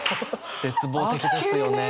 絶望的ですよね